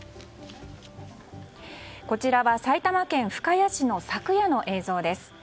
こちらは埼玉県深谷市の昨夜の映像です。